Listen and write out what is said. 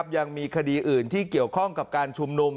ยังมีคดีอื่นที่เกี่ยวข้องกับการชุมนุม